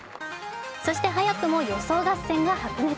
そして早くも予想合戦が白熱。